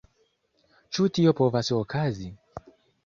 Ĉu tio povas okazi?